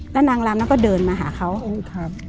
แล้วนางลำนั้นก็เดินมาหาเขาครับ